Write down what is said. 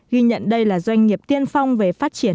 ghi nhận đây là doanh nghiệp tiên phong về phát triển